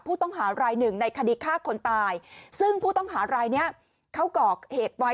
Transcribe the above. ผู้ต้องหารายหนึ่งในคดีฆ่าคนตายซึ่งผู้ต้องหารายนี้เขาก่อเหตุไว้